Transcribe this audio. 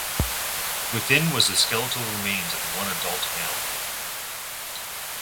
Within was the skeletal remains of one adult male.